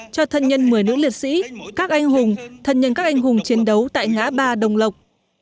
cho thân nhân một mươi nước liệt sĩ các anh hùng thân nhân các anh hùng chiến đấu tại ngã ba đồng lộc